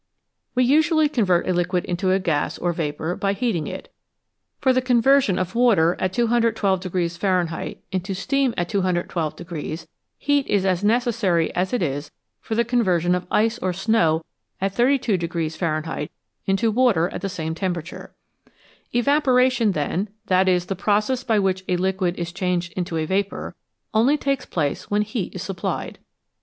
We usually convert a liquid into a gas or vapour by heating it ; for the conversion of water at 212 Fahrenheit into steam at 212, heat is as necessary as it is for the conversion of ice or snow at 32 Fahren heit into water at the same temperature. Evaporation, then that is, the process by which a liquid is changed into a vapour only takes place when heat is supplied.